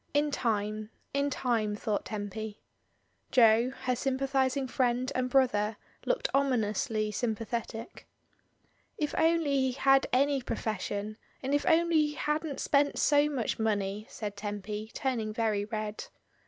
In time, in time, thought Tempy. Jo, her sympathising friend and brother, looked ominously sjmapathetic. "If only he had any profession, and if only he hadn't spent so much money," said Tempy, turning very red.